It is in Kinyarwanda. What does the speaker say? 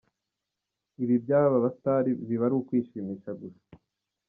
Ibi by’aba Stars biba ari ukwishimisha gusa.